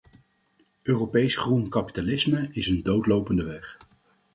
Europees groen kapitalisme is een doodlopende weg.